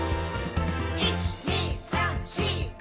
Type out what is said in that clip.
「１．２．３．４．５．」